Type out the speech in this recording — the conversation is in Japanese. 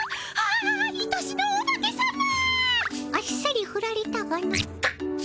あっさりフラれたがの。